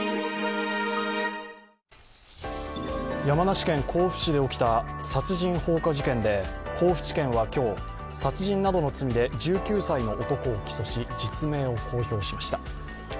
山梨県甲府市で起きた殺人放火事件で、甲府地検は今日、殺人などの罪で１９歳の男を起訴し実名を公表しました。